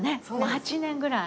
８年ぐらい。